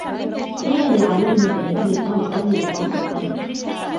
قِيلَ لِعَلِيِّ بْنِ أَبِي طَالِبٍ رَضِيَ اللَّهُ عَنْهُ